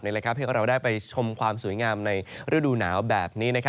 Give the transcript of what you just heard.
ให้เราได้ไปชมความสวยงามในฤดูหนาวแบบนี้